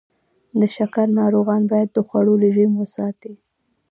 د شکر ناروغان باید د خوړو رژیم وساتي.